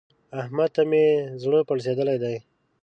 احمد ته مې زړه پړسېدلی دی.